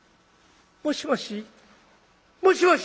「もしもし」。